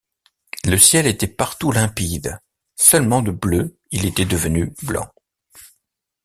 Le ciel était partout limpide ; seulement de bleu il était devenu blanc.